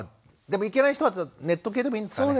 でも行けない人はネット系でもいいんですかね？